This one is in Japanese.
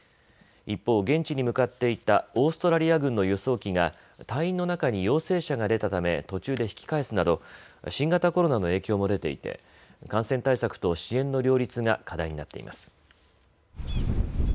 一方、現地に向かっていたオーストラリア軍の輸送機が隊員の中に陽性者が出たため途中で引き返すなど新型コロナの影響も出ていて感染対策と支援の両立が課題になっています。